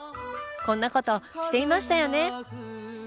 こんなことしていましたよね。